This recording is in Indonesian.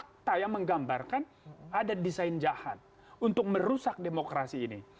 fakta yang menggambarkan ada desain jahat untuk merusak demokrasi ini